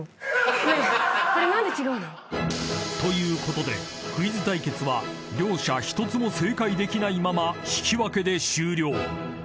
［ということでクイズ対決は両者１つも正解できないまま引き分けで終了］